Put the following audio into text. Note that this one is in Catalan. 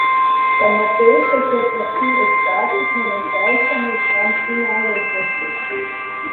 Tanmateix, el seu perfil estàtic no encaixa en el tram final del procés.